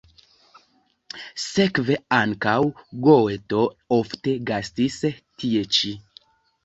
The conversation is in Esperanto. Sekve ankaŭ Goeto ofte gastis tie ĉi.